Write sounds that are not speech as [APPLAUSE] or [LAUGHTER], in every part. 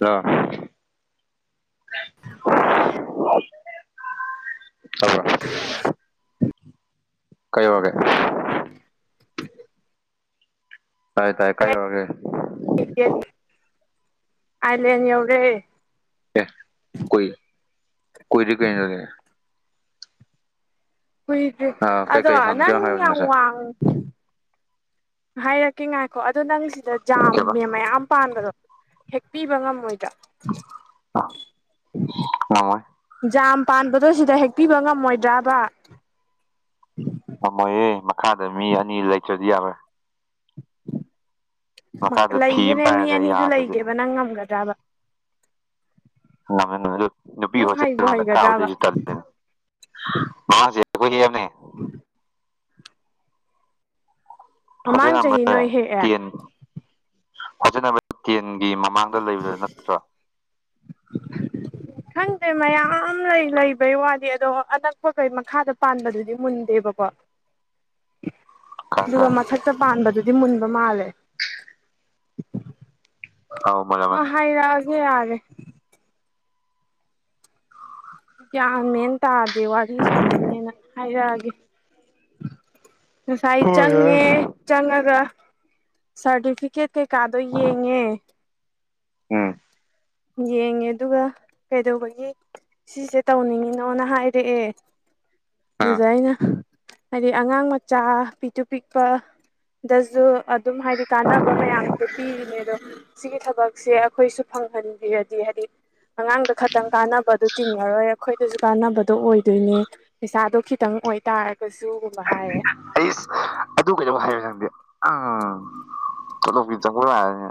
ꯑ [INAUDIBLE] ꯀꯩ ꯋꯥꯒꯦ [INAUDIBLE] ꯇꯥꯏ ꯇꯥꯏ ꯀ ꯌ ꯋꯥꯒꯦ ꯑꯂꯅꯤ ꯑꯦꯧꯔꯦ ꯑꯦꯣꯏ ꯀꯣꯏꯗꯤ ꯀ ꯍꯏꯗꯤ ꯑ ꯑꯗꯣ ꯀꯩꯀꯩ ꯑꯅꯪ ꯍꯪꯒꯦꯅꯣ ꯍꯥꯏꯔꯛꯑꯣꯅꯦ ꯌꯥ ꯉꯁꯥꯏ ꯋꯥ ꯍꯥꯏꯔꯛꯀꯦ ꯉꯥꯏꯈꯣ ꯑꯗꯣ ꯅꯪꯁꯤꯗ ꯀꯩꯕ ꯖꯥꯝꯃꯦ ꯃꯌꯥꯝ ꯄꯥꯟꯕꯗꯣ ꯍꯦꯛꯄꯤꯕ ꯉꯝꯃꯣꯏꯗ ꯉꯝꯃꯣꯏ ꯌꯥꯝ ꯄꯥꯟꯕꯗ ꯁꯤꯗ ꯍꯦꯛ ꯄꯤꯕ ꯉꯝꯃꯣꯏꯗ꯭ꯔꯕ ꯉꯝꯃꯣꯏꯌꯦꯦ ꯃꯈꯥꯗ ꯃꯤ ꯑꯅꯤ ꯂꯩꯇ꯭ꯔꯗꯤ ꯌꯥꯔꯣꯏ ꯃꯈꯥꯗ ꯐꯤ ꯑꯃ ꯂꯩꯒꯅꯦ ꯃꯤ ꯄꯥꯏꯔꯒ ꯑꯅꯤꯗꯨ ꯌꯥꯗ꯭ꯔꯗꯤ ꯂꯩꯒꯦꯕ ꯅꯪ ꯉꯝꯒꯗ꯭ꯔꯕ ꯅꯨꯄꯤ ꯅꯪ ꯍꯩꯕꯨ ꯍꯁꯂꯀꯗ ꯍꯩꯒꯗ꯭ꯔꯕ ꯆ ꯑ ꯆ ꯀꯣꯏ ꯌꯥꯝꯃꯦ ꯐꯁꯦ ꯃꯃꯥꯡ ꯆꯍꯤ ꯅꯝꯕꯔ ꯅꯣꯏ ꯍꯦꯛꯑꯦ ꯇꯦꯟ ꯐꯖꯤ ꯅꯝꯕꯔ ꯇꯦꯟꯒꯤ ꯃꯃꯥꯡꯗ ꯂꯩꯕꯗ ꯅꯠꯇ꯭ꯔꯣ [INAUDIBLE] [UNINTELLIGIBLE] ꯈꯪꯗꯦ ꯃꯌꯥꯝ ꯂꯩ ꯂꯩꯕꯩ ꯋꯥꯗꯤ ꯑꯗꯣ ꯑꯅꯛꯄ ꯀꯩ ꯃꯈꯥꯗ ꯄꯥꯟꯕꯗꯨꯗꯤ ꯃꯨꯟꯗꯦ ꯄꯄꯥ [INAUDIBLE] ꯀꯥꯡ ꯑꯗꯨꯒ ꯀꯥꯡ ꯃꯊꯛꯇ ꯄꯥꯟꯕꯗꯨꯗꯤ ꯃꯨꯟꯕ ꯃꯥꯜꯂꯦ ꯑꯥꯎ ꯃꯨꯟꯂꯥꯝꯃꯅꯤ ꯑꯗꯨ ꯌꯥꯔꯦ ꯒ꯭ꯌꯥꯟ ꯃꯦꯟ ꯇꯥꯗꯦ ꯋꯥꯔꯤ ꯁꯥꯟꯅꯩꯅꯦꯅ ꯍꯥꯏꯔꯛ ꯑꯒꯦ ꯉꯁꯥꯏ ꯍꯣꯏ ꯍꯣꯏ ꯆꯪꯉꯦ ꯆꯪꯉꯒ ꯁꯥꯔꯇꯤꯐꯤꯀꯦꯠ ꯀꯩꯀꯥꯗꯣ ꯌꯦꯡꯉꯦ ꯎꯝ ꯌꯦꯡꯉꯦ ꯑꯗꯨꯒ ꯀꯩꯗꯧꯕꯒꯤ ꯁꯤꯁꯦ ꯇꯧꯅꯤꯡꯉꯤꯅꯣꯅ ꯍꯥꯏꯔꯛꯑꯦ ꯑꯥ ꯑꯗꯨꯗ ꯑꯩꯅꯥ ꯍꯥꯏꯗꯤ ꯑꯉꯥꯡ ꯃꯆꯥ ꯄꯤꯛꯇꯨ ꯄꯤꯛꯄ ꯗꯁꯨ ꯑꯗꯨꯝ ꯍꯥꯏꯗꯤ ꯀꯥꯟꯅꯕ ꯃꯌꯥꯝꯁꯨ ꯄꯤꯔꯤꯅꯦ ꯑꯗꯣ ꯁꯤꯒꯤ ꯊꯕꯛꯁꯦ ꯑꯩꯈꯣꯏꯁꯨ ꯐꯪꯍꯟ ꯍꯥꯏꯔꯗꯤ ꯍꯥꯏꯗꯤ ꯑꯉꯥꯡꯗ ꯈꯇꯪ ꯀꯥꯟꯅꯕꯗꯨ ꯆꯤꯡꯉꯔꯣꯏ ꯑꯩꯈꯣꯏ ꯑꯗꯨꯁꯨ ꯀꯥꯟꯅꯕꯗꯣ ꯑꯣꯏꯗꯣꯏꯅꯦ ꯄꯩꯁꯥꯗꯣ ꯈꯤꯇꯪ ꯑꯣꯏꯇꯥꯔꯒ ꯑꯩꯁ ꯑꯗꯨ ꯀꯩꯗꯧꯕ ꯍꯥꯏꯕ ꯈꯪꯗꯦ ꯎꯝ ꯇꯣꯂꯣꯞ ꯇꯤ ꯆꯪꯕ ꯌꯔꯦꯅꯦ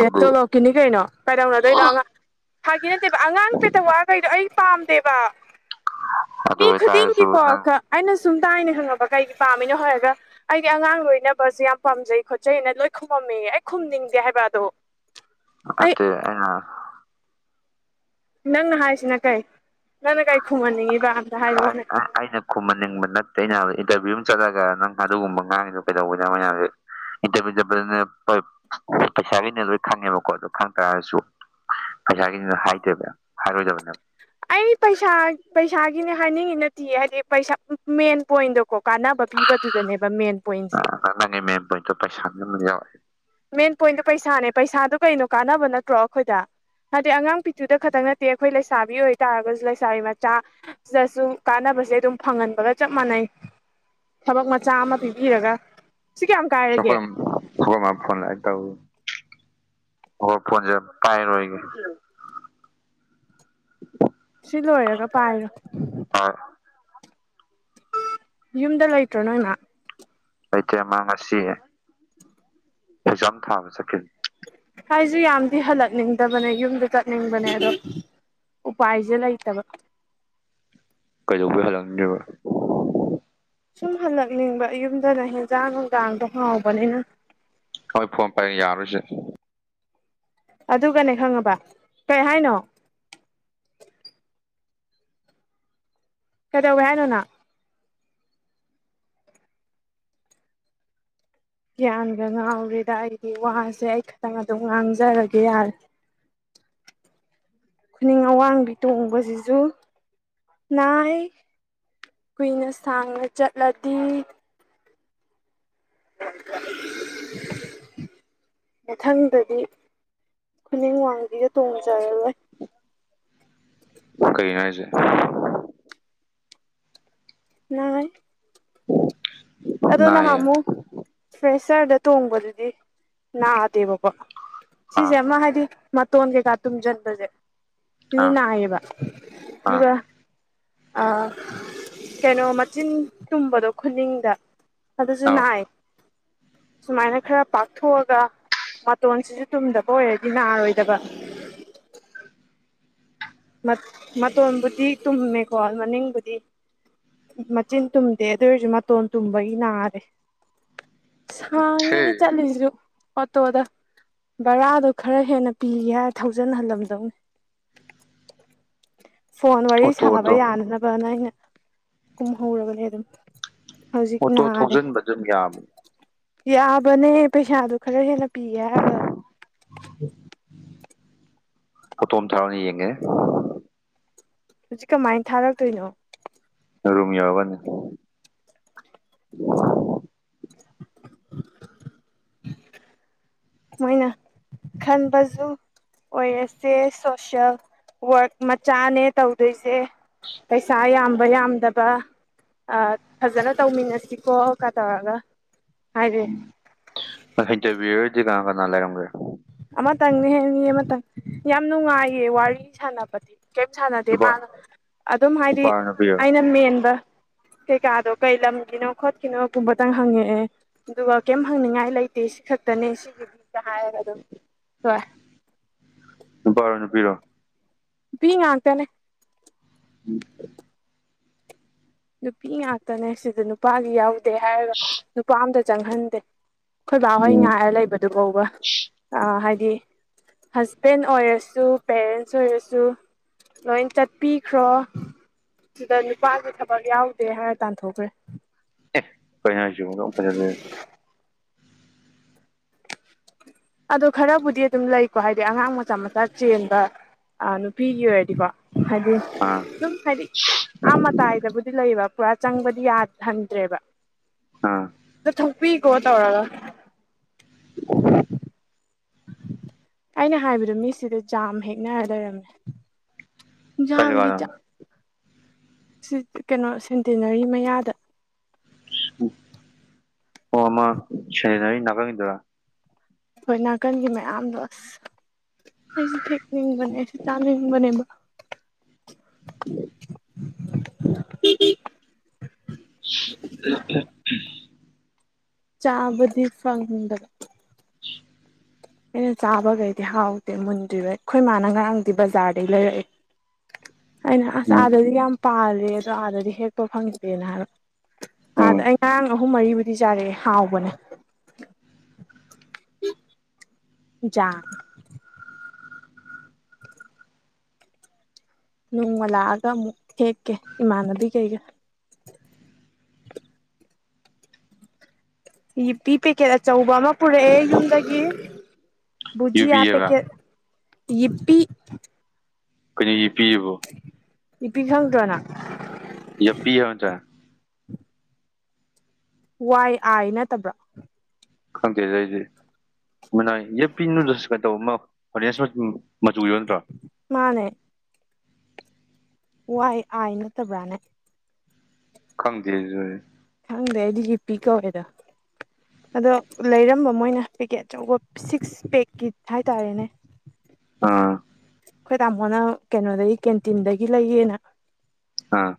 ꯑꯦ ꯇꯣꯂꯣꯀꯤꯅꯤ ꯀꯩꯅꯣ ꯀꯩꯗꯧꯅꯗꯣꯏꯅꯣ ꯑꯉꯥꯡ ꯐꯥꯒꯤ ꯅꯠꯇꯦꯕ ꯑꯉꯥꯡ ꯄꯦꯇꯥꯋꯥꯗꯣ ꯑꯩ ꯄꯥꯝꯗꯦꯕ ꯑꯗꯨ ꯃꯤ ꯑꯣꯏꯇꯥꯔꯁꯨ ꯈꯨꯗꯤꯡꯒꯤꯀꯣ ꯅꯪ ꯑꯩꯅ ꯁꯨꯝ ꯁꯨꯝ ꯇꯥꯏꯅ ꯈꯪꯉꯕ ꯀꯩꯒꯤ ꯄꯥꯝꯃꯤꯅꯣ ꯍꯥꯏꯔꯒ ꯑꯩꯒꯤ ꯑꯉꯥꯡ ꯂꯣꯏꯅꯕꯁꯦ ꯌꯥꯝ ꯄꯥꯝꯖꯩ ꯈꯣꯠꯆꯩꯅ ꯂꯣꯏ ꯈꯨꯝꯃꯩ ꯑꯩ ꯈꯨꯝꯅꯤꯡꯗꯦ ꯍꯥꯢꯕꯥ ꯑ ꯑ [INAUDIBLE] ꯅꯪꯅ ꯍꯥꯏꯁꯤꯅ ꯀꯩ ꯅꯪꯅ ꯀꯩ ꯈꯨꯝꯍꯟꯅꯤꯡꯉꯤꯕ ꯑꯝꯇ ꯍꯥꯏꯔꯛꯑꯣꯅꯦ ꯑꯩꯅ ꯈꯨꯝꯍꯟꯅꯤꯡꯕ ꯅꯠꯇꯦ ꯑꯩꯅ ꯏꯟꯇꯔꯚꯤꯌꯨ ꯑꯃ ꯆꯠꯂꯒ ꯅꯪ ꯑꯗꯨꯒꯨꯝꯕ ꯉꯥꯡꯉꯤꯗꯨꯣ ꯀꯩꯗꯧꯕꯩꯅꯣ ꯑꯩꯀꯣꯟꯗ ꯌꯥꯝ ꯏꯟꯇꯔꯚꯤꯌꯨ ꯆꯠꯄꯗꯅ ꯄꯩꯁꯥꯈꯩꯅ ꯂꯣꯏ ꯈꯪꯉꯦꯕꯀꯣ ꯈꯪ ꯇꯥꯔꯒꯁꯨ ꯄꯩꯁꯥꯒꯤꯗꯨꯗ ꯍꯥꯏꯗꯦꯕ ꯍꯥꯏꯔꯣꯏꯗꯕꯅꯦꯕ ꯑꯩ ꯄꯩꯁꯥ ꯄꯩꯁꯥꯒꯤꯅꯦ ꯍꯥꯏꯅꯤꯡꯉꯤ ꯅꯠꯇꯦ ꯍꯥꯏꯗꯤ ꯄꯩꯁꯥ ꯃꯦꯟ ꯄꯣꯏꯟꯗꯣ ꯀꯣ ꯀꯥꯅꯕ ꯄꯤꯕꯗꯨꯗꯅꯦꯕ ꯃꯦꯟ ꯄꯣꯏꯟꯁꯦ ꯅꯪꯒꯤ ꯃꯦꯟ ꯄꯣꯏꯟꯇꯣ ꯄꯩꯁꯥꯒꯤ ꯑꯃ ꯌꯥꯎꯔꯦ ꯃꯦꯟ ꯄꯣꯏꯟꯗꯣ ꯄꯩꯁꯥꯅꯦ ꯄꯩꯁꯥꯗꯨꯣ ꯀꯩꯅꯣ ꯀꯥꯟꯅꯕ ꯅꯠꯇ꯭ꯔꯣ ꯑꯩꯈꯣꯏꯗ ꯍꯥꯏꯗꯤ ꯑꯉꯥꯡ ꯄꯤꯊꯨꯗ ꯈꯛꯇꯪ ꯅꯠꯇꯦ ꯑꯩꯈꯣꯏ ꯂꯩꯁꯥꯕꯤ ꯑꯣꯏꯇꯥꯥꯔꯒꯁꯨ ꯂꯩꯁꯥꯕꯤ ꯃꯆꯥ ꯁꯤꯗꯁꯨ ꯀꯥꯟꯅꯕ ꯁꯦ ꯑꯗꯨꯝ ꯐꯪꯍꯟꯕꯒ ꯆꯞ ꯃꯥꯟꯅꯩ ꯊꯕꯛ ꯃꯆꯥ ꯑꯃ ꯄꯤꯕꯤꯔꯒ ꯁꯤ ꯀꯌꯥꯝ ꯀꯥꯏꯔꯒꯦ ꯑꯩꯈꯣꯢ ꯃꯥ ꯐꯣꯜꯅꯤ ꯂꯥꯛꯌꯦ ꯇꯧꯔꯤꯁꯦ ꯐꯣꯜ ꯁꯦ ꯄꯥꯏꯔꯔꯣꯏꯒꯦ ꯁꯤ ꯂꯣꯏꯔꯒ ꯄꯥꯏꯔꯣ ꯍꯣꯏ ꯌꯨꯝꯗ ꯂꯩꯇ꯭ꯔꯣ ꯅꯣꯏꯃ ꯂꯩꯇꯦ ꯃꯥ ꯉꯁꯤ ꯑꯦꯛꯖꯥꯝ ꯊꯥꯕ ꯆꯠꯈꯤ ꯍꯥꯏꯁꯨ ꯌꯥꯝꯗꯤ ꯍꯜꯂꯛꯅꯤꯡꯗꯕꯅꯦ ꯌꯨꯝꯗ ꯆꯠꯅꯤꯡꯕꯅꯦ ꯑꯗꯣ ꯎꯄꯥꯏꯁꯦ ꯂꯩꯇꯕ ꯀꯩꯗꯧꯕꯩ ꯍꯥꯜꯂꯛꯅꯤꯡꯗꯔ꯭ꯤꯕꯥ ꯑꯨꯝ ꯍꯜꯂꯛꯅꯤꯡꯕ ꯌꯨꯝꯗꯅ ꯍꯦꯟꯖꯥꯡ ꯅꯨꯡꯁꯥꯡꯗꯣ ꯍꯥꯎꯕꯅꯤꯅ ꯍꯣꯏ ꯐꯣꯟ ꯄ ꯌꯥꯔꯨꯁꯦ [INAUDIBLE] ꯑꯗꯨꯒꯅꯦ ꯈꯪꯉꯕ ꯀꯩ ꯍꯥꯏꯅꯣ ꯀꯩꯗꯧꯢ ꯍꯥꯏꯅꯣ ꯅꯪ ꯒ꯭ꯌꯥꯟꯒ ꯉꯥꯎꯔꯦꯗ ꯑꯩꯗꯤ ꯋꯥꯁꯦ ꯑꯩꯈꯛꯇꯥ ꯑꯗꯨꯝ ꯉꯥꯡꯖꯔꯒꯦ ꯌꯥꯔꯦ [UNINTELLIGIBLE] ꯈꯨꯅꯤꯡ ꯑꯋꯥꯡꯕꯤ ꯇꯣꯡꯕꯁꯤꯁꯨ ꯅꯥꯏ ꯀꯨꯏꯅ ꯁꯥꯡꯅ ꯆꯠꯂꯗꯤ ꯃꯊꯪꯗꯗꯤ ꯈꯨꯅ ꯋꯥꯡꯕꯤꯒ ꯇꯣꯡꯖꯔ ꯂꯣꯏ ꯀꯩꯅꯣ ꯍꯥꯏꯁꯦ ꯃꯥ ꯑꯣ ꯅꯍꯥꯟ ꯅꯥꯏꯌꯦ ꯑꯃꯨꯛ ꯐ꯭ꯔꯦꯁꯔꯗ ꯇꯣꯡꯕꯗꯨꯗꯤ ꯅꯥꯗꯦꯕꯀꯣ ꯁꯤꯁꯦ ꯑꯥ ꯑꯃ ꯍꯥꯏꯗꯤ ꯃꯇꯣꯟ ꯀꯩꯀꯥ ꯇꯨꯝꯁꯤꯟꯕꯁꯦ ꯁꯤ ꯑꯥ ꯅꯑꯕ ꯑꯥ ꯑꯗꯨꯒ ꯑ ꯀꯩꯅꯣ ꯃꯆꯤꯟ ꯇꯨꯝꯕꯗꯣ ꯈꯨꯅꯤꯡꯗ ꯑꯗꯨꯁꯨ ꯑꯥ ꯅꯥꯏ ꯁꯨꯃꯥꯏꯅ ꯈꯔ ꯄꯥꯛꯊꯣꯛꯑꯒ ꯃꯇꯣꯟꯁꯤꯁꯨ ꯇꯨꯝꯗꯕ ꯑꯣꯏꯔꯗꯤ ꯅꯥꯔꯣꯏꯗꯕ ꯃꯇꯣꯟꯕꯨꯗꯤ ꯇꯨꯝꯃꯦꯀꯣ ꯃꯅꯤꯡꯕꯨꯗꯤ ꯃꯆꯤꯟ ꯇꯨꯝꯗꯦ ꯑꯗꯨ ꯑꯣꯏꯔꯁꯨ ꯃꯇꯣꯟ ꯇꯨꯝꯕꯒꯤ ꯅꯥꯔꯦ ꯍꯥꯡꯉꯦ ꯁꯤ ꯆꯂꯤꯁꯨꯨ ꯑꯣꯇꯣ ꯑꯣꯗ ꯕꯔꯥꯗꯣ ꯈꯔ ꯍꯦꯟꯅ ꯄꯤꯔꯤ ꯍꯥꯏ ꯊꯧꯖꯟꯍꯜꯂꯝꯗꯧꯅꯤ ꯐꯣꯟ ꯋꯥꯔꯤ ꯁꯥꯕ ꯑꯣꯇꯣꯗꯣ ꯌꯥꯅꯅꯕꯅ ꯑꯩꯅ ꯀꯨꯝꯍꯧꯔꯕꯅꯦ ꯑꯗꯨꯝ ꯍꯧꯖꯤꯛ ꯑꯣꯇꯣ ꯅꯥꯔꯦ ꯊꯧꯖꯤꯟꯕ ꯑꯗꯨꯝ ꯌꯥꯕꯅꯤ ꯌꯥꯕꯅꯦ ꯄꯩꯁꯥꯗꯨ ꯈꯔ ꯍꯦꯟꯅ ꯄꯤꯒꯦ ꯍꯥꯏꯔꯒ ꯄꯨꯠꯇꯝ ꯇꯥꯔꯅꯤ ꯌꯦꯉ ꯍꯧꯖꯤꯛ ꯀꯃꯥꯏꯅ ꯊꯥꯔꯛꯇꯣꯏꯅꯣ ꯔꯨꯝ ꯌꯥꯎꯕꯅꯤ ꯃꯣꯏꯅ ꯈꯟꯕꯁꯨ ꯑꯣꯏꯔꯁꯦ ꯁꯣꯁꯦꯜ ꯋꯥꯔꯛ ꯃꯆꯥꯅꯦ ꯇꯧꯗꯣꯏꯁꯦ ꯄꯩꯁꯥ ꯝꯕ ꯌꯥꯝꯗꯕ ꯐꯖꯅ ꯇꯧꯃꯤꯟꯅꯁꯤꯀꯣ ꯀ ꯇꯧꯔꯒ ꯍꯥꯏꯔꯦ ꯎ ꯏꯟꯇꯔꯚꯌꯨꯗꯤ ꯀꯅꯥ ꯀꯅꯥ ꯂꯩꯔꯝꯒ꯭ꯔꯦ ꯑꯃꯇꯪꯅꯦ ꯍꯦꯅꯤ ꯑꯃꯇꯪ ꯌꯥꯝ ꯅꯨꯡꯉꯥꯏꯌꯦ ꯋꯥꯔꯤ ꯁꯥꯟꯅꯕꯗꯤ ꯀꯔꯤꯝ ꯁꯥꯟꯅꯗꯦ ꯅꯨꯄꯥ ꯃꯥꯅ ꯑꯗꯨꯝ ꯍꯥꯏꯗꯤ ꯅꯨꯄꯥꯔꯣ ꯅꯨꯄꯤꯔꯣ ꯑꯩꯅ ꯃꯦꯟꯕ ꯀꯩꯀꯥꯗꯣ ꯀꯩ ꯂꯝꯒꯤꯅꯣ ꯈꯣꯠꯀꯤꯅꯣꯒꯨꯝꯕꯇꯪ ꯍꯪꯉꯛꯑꯦ ꯑꯗꯨꯒ ꯀꯩꯝ ꯍꯪꯅꯤꯡꯉꯥꯏ ꯂꯩꯇꯦ ꯁꯤ ꯁꯤ ꯈꯛꯇꯅꯦ ꯁꯤꯒꯤꯗꯤꯒ ꯍꯥꯏꯔꯒ ꯑꯗꯨꯝ ꯁꯣꯏ ꯄꯔꯣꯅ ꯄꯤꯔꯣ ꯄꯤ ꯉꯥꯛꯇꯅꯦ ꯎꯝ ꯅꯨꯄꯤ ꯉꯥꯛꯇꯅꯦ ꯁꯤꯗ ꯅꯨꯄꯥꯗꯤ ꯌꯥꯎꯗꯦ ꯍꯥꯏꯔꯒ ꯅꯨꯄꯥ ꯑꯝꯇ ꯆꯪꯍꯟꯗꯦ ꯑꯩꯈꯣꯏꯕꯥꯛ ꯍꯣꯏ ꯎꯝ ꯉꯥꯏꯔ ꯂꯩꯕꯗꯨ ꯐꯥꯎꯕ ꯑ ꯍꯥꯏꯗꯤ ꯍꯁꯕꯦꯟ ꯑꯣꯏꯔꯁꯨ ꯄꯦꯔꯦꯟꯁ ꯑꯣꯏꯔꯁꯨ ꯂꯣꯏ ꯆꯠꯄꯤꯈ꯭ꯔꯣ ꯑꯗꯨꯗ ꯅꯨꯄꯥꯗꯨ ꯊꯛ ꯌꯥꯎꯗꯦ ꯍꯥꯏꯔ ꯇꯥꯟꯊꯣꯛꯈ꯭ꯔꯦ ꯀꯩꯅꯅ ꯑꯗꯨ ꯑꯗ ꯈꯔꯕꯨꯗꯤ ꯑꯗꯨꯝ ꯂꯩꯀꯣ ꯍꯥꯏꯗꯤ ꯑꯉꯥꯡ ꯃꯆꯥ ꯃꯆꯥ ꯆꯦꯟꯕ ꯑ ꯅꯨꯄꯤꯒꯤ ꯑꯣꯏꯔꯗꯤꯀꯣ ꯍꯥꯏꯗꯤ ꯑꯥ ꯁꯨꯝ ꯍꯥꯏꯗꯤ ꯑꯥ ꯃꯇꯥꯏꯗꯕꯨꯗꯤ ꯂꯩꯕ ꯄꯨꯔꯥ ꯆꯪꯕꯗꯤ ꯌꯥꯍꯟꯗ꯭ꯔꯦꯕ ꯑꯥ ꯄꯤꯒꯇꯥ ꯋꯥꯔꯒ ꯑꯩꯅ ꯍꯥꯏꯕꯗꯣ ꯃꯤꯁꯤꯗ ꯌꯥꯝ ꯍꯦꯛꯅ ꯂꯩꯔꯝꯃꯦ ꯀꯥꯏ ꯌꯥꯥꯡꯒ ꯖꯒꯥꯗ ꯆ ꯀꯩꯅꯣ ꯁꯦꯟꯇꯤꯅꯔꯤ ꯃꯌꯥꯗ ꯑꯣꯃ ꯁꯦꯔꯅꯔꯤ ꯅꯥꯀꯪꯈꯤꯗꯔꯥ ꯍꯣꯏ ꯅꯥꯀꯟꯒꯤ ꯃꯌꯥꯝꯗꯣ ꯑꯁ ꯑꯩꯁꯨ ꯊꯦꯛꯅꯤꯡꯕꯅꯦ ꯑꯩꯁꯨ ꯆꯥꯅꯤꯡꯕꯅꯦꯕ ꯏ [INAUDIBLE] ꯆꯥꯕꯗꯤ ꯐꯪꯗꯕ ꯑꯩꯅ ꯆꯥꯕꯈꯩꯗꯤ ꯍꯥꯎꯗꯦ ꯃꯨꯟꯗꯣꯏꯔꯣꯏ ꯑꯩꯈꯣꯏ ꯃꯥꯅ ꯉꯔꯥꯡꯗꯤ ꯕꯖꯥꯔꯗꯩ ꯂꯩꯔꯛꯑꯦ ꯑꯩꯅ ꯑꯁ ꯎꯝ ꯑꯥꯗꯗꯤ ꯌꯥꯝ ꯄꯥꯜꯂꯦ ꯑꯗꯣ ꯑꯥꯗꯗꯤ ꯍꯦꯛꯄ ꯐꯪꯗꯦꯅ ꯍꯥꯏꯕꯣ ꯑꯥꯗ ꯎꯝ ꯑꯩ ꯉꯔꯥꯡ ꯑꯍꯨꯝ ꯃꯔꯤꯕꯨꯗꯤ ꯆꯥꯔꯛꯑꯦ ꯍꯥꯎꯕꯅꯦ ꯌꯥ [INAUDIBLE] ꯅꯣꯡꯃ ꯂꯥꯛꯑꯒ ꯑꯃꯨꯛ ꯍꯦꯛꯀꯦ ꯏꯃꯥꯟꯅꯕꯤ ꯀꯩꯀꯩ ꯄꯤꯤ ꯄꯦꯀꯦꯠ ꯑꯆꯧꯕ ꯑꯃ ꯄꯨꯔꯛꯑꯦ ꯌꯨꯝꯗꯒꯤ ꯌꯨꯕꯤ ꯕꯨꯖꯤꯌꯥ ꯄꯦ ꯍꯥꯏꯕ ꯀꯦ ꯏꯕꯤ ꯀꯩꯅꯣ ꯌꯦ ꯄꯤꯔꯤꯕꯣ ꯅꯨꯄꯤ ꯈꯪꯗ꯭ꯔꯣꯅ ꯌꯥ ꯄꯤ ꯑꯣ ꯆꯦ ꯋꯥꯏ ꯑꯥꯏ ꯅꯠꯇꯕ꯭ꯔꯥ ꯈꯪꯗꯦꯗ ꯑꯩꯗꯤ ꯃꯅꯥ ꯌꯦ ꯄꯤꯅꯨꯗꯁꯨ ꯀꯩꯗꯧꯕꯃ ꯍꯣꯔꯦꯟ ꯃꯆꯨꯒꯤ ꯅꯠꯇ꯭ꯔꯣ ꯃꯥꯅꯦ ꯋꯥꯏ ꯑ ꯅꯠꯇꯕ꯭ꯔꯥꯅꯦ ꯈꯪꯗꯦ ꯈꯪꯗꯦ ꯑꯩꯗꯤ ꯄꯤ ꯀꯧꯋꯦꯗ ꯑꯗꯣ ꯂꯩꯔꯝꯕ ꯃꯣꯏꯅ ꯄꯦꯛꯀꯦꯠ ꯑꯆꯧꯕ ꯁꯤꯛꯁ ꯄꯦꯛꯀꯤ ꯍꯥꯏꯇꯥꯔꯦꯅꯦ ꯑꯥ ꯑꯩꯈꯣꯏ ꯇꯥꯃꯣꯅ ꯀꯩꯅꯣꯗꯒꯤ ꯀꯦꯟꯇꯤꯟꯗꯒꯤ ꯂꯩꯌꯦꯅ ꯑꯥ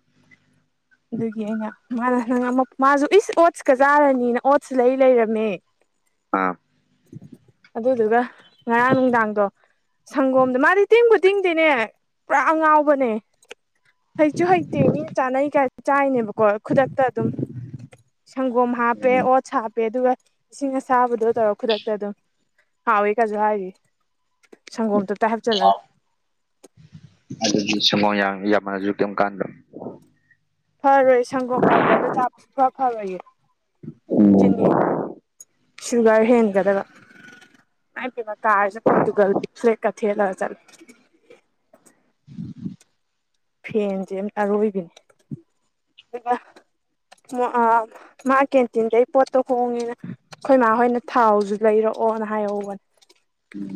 ꯑꯗꯨꯒꯤ ꯑꯩꯅ ꯃꯥꯅ ꯅꯪ ꯃꯥꯁꯨ ꯏꯁ ꯑꯣꯠꯁꯀ ꯆꯥꯔꯅꯤꯅ ꯑꯣꯠꯁ ꯂꯩ ꯂꯩꯔꯝꯃꯦ ꯑꯥ ꯑꯗꯨꯗꯨꯒ ꯉꯔꯥꯡ ꯅꯨꯡꯗꯥꯡꯗꯣ ꯁꯪꯒꯣꯝꯗ ꯃꯥꯗꯤ ꯇꯦꯡꯕꯨ ꯇꯤꯡꯗꯦꯅꯦ ꯄꯨꯔꯥ ꯑꯉꯥꯎꯕꯅꯦ ꯍꯩꯁꯨ ꯍꯩꯇꯦ ꯃꯤ ꯆꯥꯅꯩ ꯀꯌꯥꯁꯨ ꯆꯥꯏꯅꯦꯕꯀꯣ ꯈꯨꯗꯛꯇ ꯑꯗꯨꯝ ꯁꯪꯒꯣꯝ ꯍꯥꯞꯄꯦ ꯑꯣꯠꯁ ꯍꯥꯞꯄꯦ ꯑꯗꯨꯒ ꯏꯁꯤꯡ ꯑꯁꯥꯕꯗꯣ ꯇꯧꯔꯣ ꯈꯨꯗꯛꯇ ꯑꯗꯨꯝ ꯍꯥꯎꯏꯤ ꯀꯁꯨ ꯍꯥꯏꯔꯤ ꯁꯪꯒꯣꯝ ꯇꯞꯇ ꯍꯥꯞꯆꯤꯜꯂꯒ ꯑꯗꯨ ꯁꯣ ꯌꯥ ꯃꯁꯨ ꯀ ꯀꯥꯟꯗ ꯐꯔꯣꯏ ꯁꯪꯒꯣꯝ ꯄꯥꯎꯗꯔꯗꯣ ꯆꯥꯕꯁꯨ ꯈꯔ ꯐꯔꯣꯏꯌꯦ ꯑꯣꯝ ꯆꯤꯅꯤ ꯁꯨꯒꯔ ꯍꯦꯟꯒꯗꯕ ꯄꯤ ꯀꯥꯔꯁ ꯄꯣꯇꯨꯒꯁꯦ ꯀ ꯊꯂ ꯆ ꯐꯔꯣꯏꯕꯅꯤ ꯃꯥ ꯀꯦꯟꯇꯤꯟꯗꯩ ꯄꯣꯠꯇꯣ ꯍꯣꯡꯉꯦꯅ ꯑꯩꯈꯣꯏ ꯃꯥ ꯍꯣꯏꯅ ꯊꯥꯎꯁꯨ ꯂꯩꯔꯣ ꯑꯣꯅ ꯍꯥꯏꯍꯧꯕꯅꯦ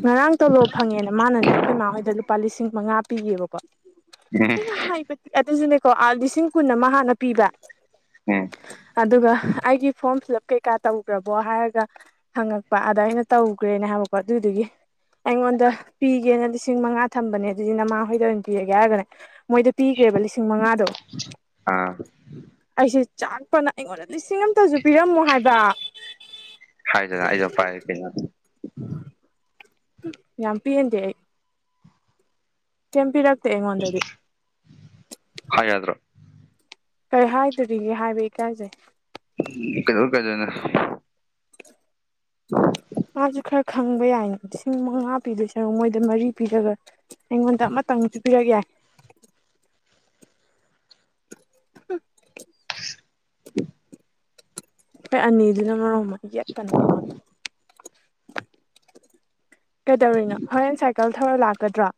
ꯉꯔꯥꯡ ꯇꯣꯂꯣ ꯐꯪꯉꯦꯅ ꯃꯥꯅꯅꯦ ꯑꯩꯈꯣꯏ ꯃꯥ ꯍꯣꯏꯗ ꯂꯨꯄꯥ ꯂꯤꯁꯤꯡ ꯃꯉꯥ ꯄꯤꯒꯦꯕꯀꯣ ꯑꯩꯅ ꯍꯥꯏꯕ ꯑꯗꯨ ꯑꯣꯣ ꯑꯥ ꯂꯤꯁꯤꯡ ꯀꯨꯟ ꯑꯃ ꯍꯥꯟꯅ ꯄꯤꯕ꯭ꯔ ꯎꯝ ꯑꯗꯨꯒ ꯑꯩꯒꯤ ꯐꯣꯔꯝ ꯐꯤꯜꯞ ꯀꯩꯀꯥ ꯇꯧꯈ꯭ꯔꯕꯣ ꯍꯥꯏꯔꯒ ꯍꯪꯉꯛꯄ ꯑꯗ ꯑꯩꯅ ꯇꯧꯈ꯭ꯔꯦꯅꯦ ꯍꯥꯏꯕ ꯄ ꯑꯗꯨꯗꯨꯒꯤ ꯑꯩꯉꯣꯟꯗ ꯄꯤꯒꯦꯅ ꯂꯤꯁꯤꯡ ꯃꯉꯥ ꯊꯝꯕꯅꯦ ꯑꯗꯨꯗꯤ ꯅꯃꯥ ꯍꯣꯏꯗ ꯑꯣꯏꯅ ꯄꯤꯔꯒꯦ ꯍꯥꯏꯔꯒꯅꯦ ꯃꯣꯏꯗ ꯄꯤꯈ꯭ꯔꯦꯕ ꯂꯤꯁꯤꯡ ꯃꯉꯥꯗꯣ ꯑꯥ ꯑꯩꯁꯦ ꯆꯥꯛꯄꯅ ꯑꯩꯉꯣꯟꯗ ꯂꯤꯁꯤꯡ ꯑꯃꯇꯁꯨ ꯄꯤꯔꯝꯃꯣ ꯍꯥꯏꯕ ꯍꯥꯏꯗꯅ ꯑꯩꯗꯝ ꯄꯥꯏ ꯀꯩꯅ ꯌꯥꯝ ꯄꯤꯟꯗꯤꯏ ꯀꯦꯝ ꯄꯔꯛꯇꯦ ꯑꯩꯉꯣꯟꯗꯗꯤ ꯍꯥꯏ ꯌꯥꯗ꯭ꯔꯣ ꯀꯔꯤ ꯍꯥꯏꯗꯣꯔꯤꯒꯦ ꯍꯥꯏꯕ ꯏꯀꯥꯏꯖꯩ ꯀꯗꯧ ꯏꯀꯥꯏꯗ‌ꯣꯅꯦ ꯑꯖ ꯈꯔ ꯈꯪꯕ ꯌꯥꯏꯅꯤ ꯂꯤꯁꯤꯡ ꯃꯉꯥ ꯄꯤꯗꯣꯏꯁꯔꯨꯛ ꯃꯣꯏꯗ ꯃꯔꯤ ꯄꯤꯔꯒ ꯑꯩꯉꯣꯟꯗ ꯑꯃꯇꯪꯁꯨ ꯄꯤꯔꯛ ꯌꯥꯏ [UNINTELLIGIBLE] [INAUDIBLE] [INAUDIBLE] ꯑꯈ‌ꯣꯏ ꯑꯅꯤꯗꯨꯅ ꯃꯔ‌ꯣꯟ ꯑꯃ ꯌ‌ꯦꯠꯀꯟꯗ‌ꯣꯏꯟ ꯑꯩꯉ‌ꯣꯟꯗ ꯀꯩꯗꯧꯔꯤꯅꯣ ꯍꯣꯔꯦꯟ ꯁꯥꯏꯀꯜ ꯊꯧꯔ ꯂꯥꯛꯀꯗ꯭ꯔꯥ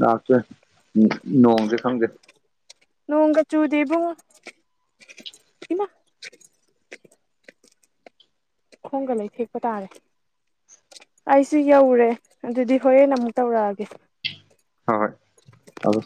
ꯂꯥꯛꯇ‌ꯣꯏꯅ ꯅ‌ꯣꯡꯖ‌ꯦ ꯈꯪꯒꯦ ꯅ‌ꯣꯡꯒ ꯆꯨꯗ‌ꯦ ꯏꯕꯨꯡꯉ‌ꯣ ꯈꯣꯡꯒ ꯂꯩꯊꯦꯛꯄ ꯇꯥꯔꯦ ꯑꯩꯁꯨ ꯌꯧꯔꯦ ꯑꯗꯨꯗꯤ ꯍꯣꯔꯦꯟ ꯑꯃꯨꯛ ꯇꯧꯔꯛꯑꯒꯦ ꯍꯣꯏ ꯍꯣꯏ ꯑꯗꯨ